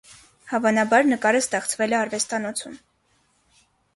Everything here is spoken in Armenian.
Հավանաբար նկարը ստեղծվել է արվեստանոցում։